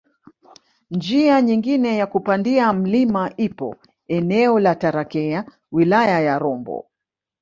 Njia nyingine ya kupandia mlima ipo eneo la Tarakea wilaya ya Rombo